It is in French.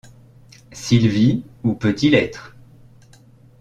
S’il vit, où peut-il être?